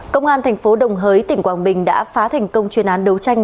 công an tp đồng hới tỉnh quảng bình đã phá thành công chuyên án đấu tranh